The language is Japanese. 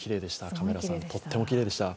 カメラさん、とってもきれいでした